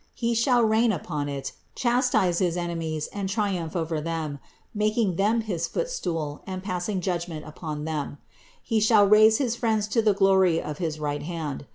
He shall reign upon it, chastise his enemies and triumph over them, making them his footstool and passing judgment upon them; He shall raise his friends to the glory of his right hand.